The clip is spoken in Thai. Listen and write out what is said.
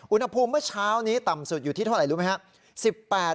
อุณหภูมิเมื่อเช้านี้ต่ำสุดอยู่ที่เท่าไหร่รู้ไหมครับ